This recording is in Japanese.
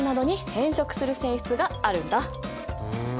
ふん。